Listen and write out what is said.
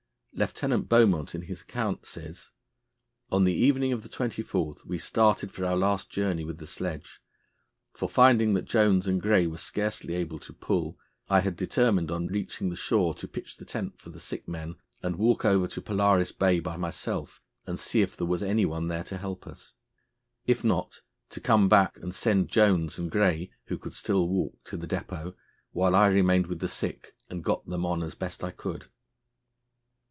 Lieutenant Beaumont, in his account, says: "On the evening of the 24th we started for our last journey with the sledge; for, finding that Jones and Gray were scarcely able to pull, I had determined on reaching the shore to pitch the tent for the sick men and walk over to Polaris Bay by myself, and see if there was any one there to help us. If not, to come back and send Jones and Gray, who could still walk, to the depôt, while I remained with the sick and got them on as best I could."